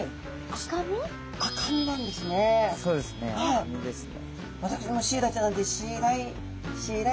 そうですね赤身ですね。